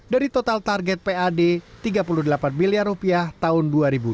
dari total target pad rp tiga puluh delapan miliar rupiah tahun dua ribu dua puluh